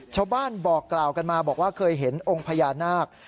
บอกกล่าวกันมาบอกว่าเคยเห็นองค์พญานาค